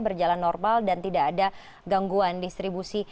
berjalan normal dan tidak ada gangguan distribusi